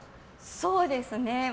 そうですね。